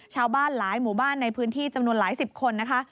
ชาวบ้านหลายหมู่บ้านในพื้นที่จำนวนหลายสิบคนนะคะ